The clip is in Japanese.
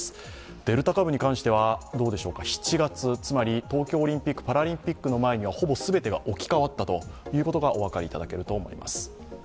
デルタ株に関しては７月、つまり東京オリンピック・パラリンピックの前にはほぼ全てが置き換わったということがお分かりいただけると思います。